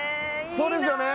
そうですよね？